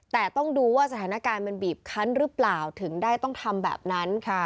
แต่ต้องดูว่าสถานการณ์มันบีบคันหรือเปล่าถึงได้ต้องทำแบบนั้น